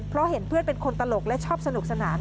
เพราะเห็นเพื่อนเป็นคนตลกและชอบสนุกสนาน